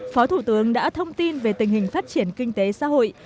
phó thủ tướng đã thông tin về tình hình phát triển kinh tế xã hội